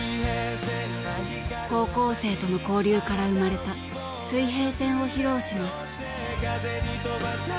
高校生との交流から生まれた「水平線」を披露します。